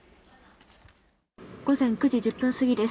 午前９時１０分過ぎです。